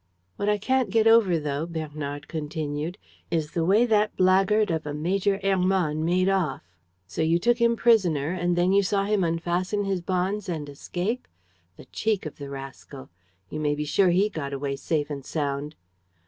"What I can't get over, though," Bernard continued, "is the way that blackguard of a Major Hermann made off. So you took him prisoner? And then you saw him unfasten his bonds and escape? The cheek of the rascal! You may be sure he got away safe and sound!"